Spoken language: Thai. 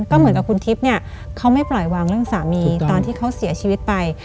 ก็เหมือนกับคุณทิพย์เนี่ยเขาไม่ปล่อยวางเรื่องสามีตอนที่เขาเสียชีวิตไป